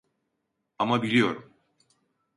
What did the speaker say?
Ama biliyorum.